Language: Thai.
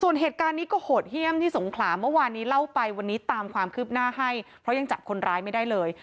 ส่วนเหตุการณ์นี้ก็โหดเยี่ยมที่สงขลาเมื่อวานนี้เล่าไปวันนี้ตามความคืบหน้าให้เพราะยังจับคนร้ายไม่ได้เลย